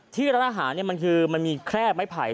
ที่ร้านอาหารมันคือมันมีแคร่ไม้ไผ่